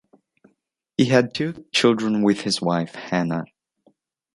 He had two children with his wife, Hannah.